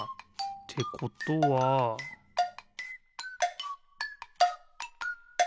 ってことはピッ！